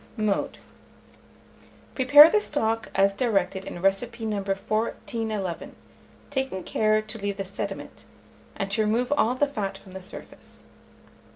Mode. Prepare the stock as directed in recipe No. 1411, taking care to leave the sediment, and to remove all the fat from the surface.